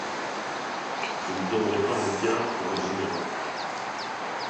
Je ne donnerais pas un liard pour un général.